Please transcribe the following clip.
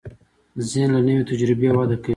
ذهن له نوې تجربې وده کوي.